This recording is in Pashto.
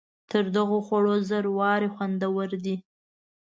تر دغو خوړو زر وارې خوندور دی.